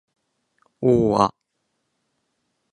を―あ